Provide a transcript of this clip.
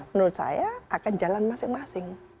menurut saya akan jalan masing masing